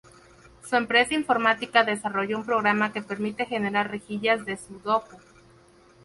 Su empresa informática desarrolló un programa que permite generar rejillas de Sudoku.